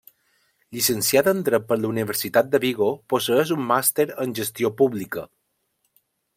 Llicenciada en Dret per la Universitat de Vigo, posseeix un màster en gestió pública.